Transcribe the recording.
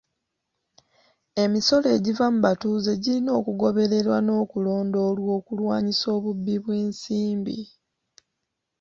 Emisolo egiva mu batuuze girina okugobererwa n'okulondoolwa okulwanisa obubbi bw'ensimbi.